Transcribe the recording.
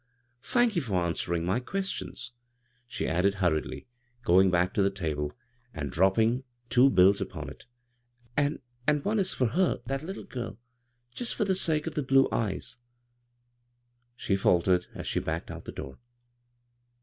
Thank you for answering my questions," she added hurriedly, going back to the taUe and drop 138 bvGoog[c CROSS CURRENTS ping two bills upon it; "and — and one is for her — that little girl, just for the sake of the blue eyes," she taltered, as she backed out the door.